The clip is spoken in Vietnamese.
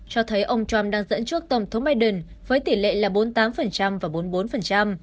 cho thấy ông trump đang dẫn trước tổng thống biden với tỷ lệ là bốn mươi tám và bốn mươi bốn